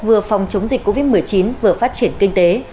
vừa phòng chống dịch covid một mươi chín vừa phát triển kinh tế